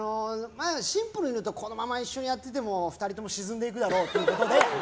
シンプルに言うとこのまま一緒にやってても２人とも沈んでいくだろうということで。